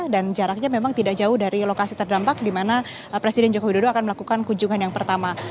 dan jaraknya memang tidak jauh dari lokasi terdampak di mana presiden joko widodo akan melakukan kunjungan yang pertama